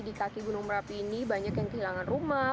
di kaki gunung merapi ini banyak yang kehilangan rumah